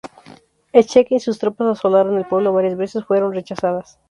Schenck y sus tropas asolaron el pueblo varias veces, fueron rechazados.